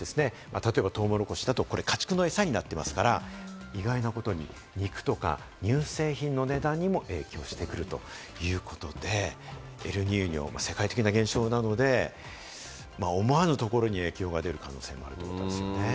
例えばトウモロコシだと家畜の餌になってますから、意外なことに肉や乳製品の値段にも影響してくるということで、エルニーニョ、世界的な現象なので思わぬところに影響が出る可能性もあるということですね。